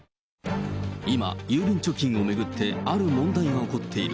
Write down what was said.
今、郵便貯金を巡って、ある問題が起こっている。